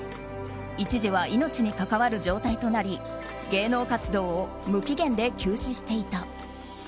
一時は命に関わる状態となり芸能活動を無期限で休止していた。